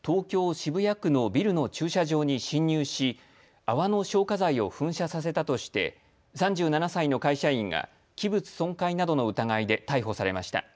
渋谷区のビルの駐車場に侵入し泡の消火剤を噴射させたとして３７歳の会社員が器物損壊などの疑いで逮捕されました。